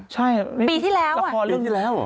ใช่ราคาเรื่องที่แล้วปีที่แล้ว